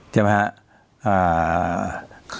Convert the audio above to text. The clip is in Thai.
ใช่ไหมครับ